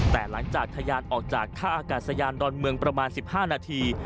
แต่หลังจากทะยานออกจากท่าอากาศยานดอนเมืองประมาณ๑๕นาที